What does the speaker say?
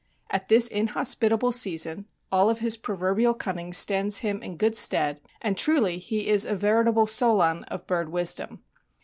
At this inhospitable season all of his proverbial cunning stands him in good stead, and truly he is a veritable solon of bird wisdom.